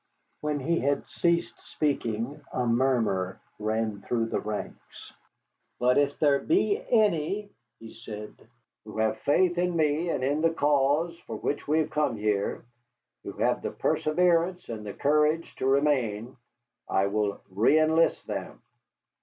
When he had ceased speaking a murmur ran through the ranks. "But if there be any," he said, "who have faith in me and in the cause for which we have come here, who have the perseverance and the courage to remain, I will reënlist them.